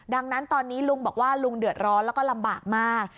ดังนั้นตอนนี้ลุงบอกว่าลุงเดือดร้อนแล้วก็ลำบากมาก